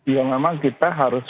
ya memang kita harus